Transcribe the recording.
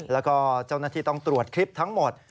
แล้วก็เจ้าหน้าที่ต้องตรวจคลิปทั้งหมด